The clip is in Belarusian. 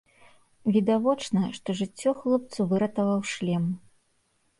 Відавочна, што жыццё хлопцу выратаваў шлем.